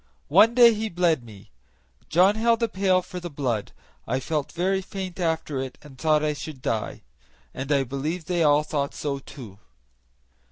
One day he bled me; John held a pail for the blood. I felt very faint after it and thought I should die, and I believe they all thought so too.